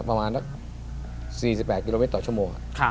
ประมาณสัก๔๘กิโลเมตรต่อชั่วโมง